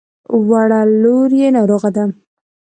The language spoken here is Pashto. وړه لور يې ناروغه ده.